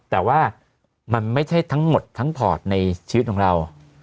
แต่ว่ามันไม่ใช่ทั้งหมดทั้งพอร์ตในชีวิตของเรา